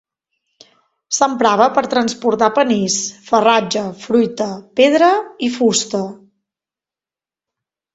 S'emprava per transportar panís, farratge, fruita, pedra i fusta.